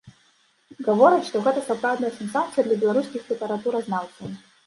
Гавораць, што гэта сапраўдная сенсацыя для беларускіх літаратуразнаўцаў.